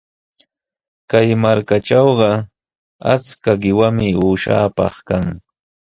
Kay markatrawqa achka qiwami uushapaq kan.